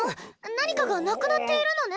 何かがなくなっているのね？